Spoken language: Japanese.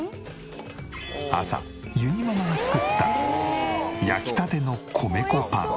朝ゆにママが作った焼きたての米粉パン。